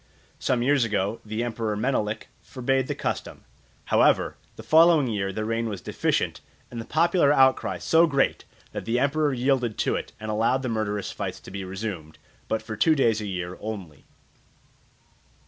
Some years ago the emperor Menelik forbade the custom. However, the following year the rain was deficient, and the popular outcry so great that the emperor yielded to it, and allowed the murderous fights to be resumed, but for two days a year only.